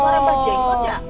suara mbah jenggot ya